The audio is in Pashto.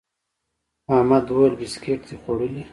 احمد وويل: بيسکیټ دي خوړلي؟